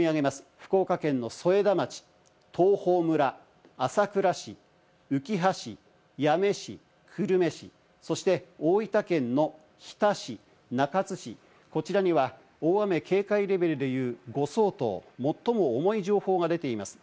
福岡県の添田町、東峰村、朝倉市、うきは市、八女市、久留米市、そして大分県の日田市、中津市、こちらには大雨警戒レベルでいう５相当、最も重い情報が出ています。